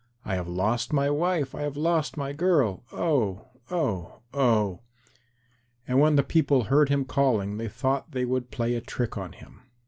I have lost my wife. I have lost my girl. Oh, oh, oh." And when the people heard him calling they thought they would play a trick on him.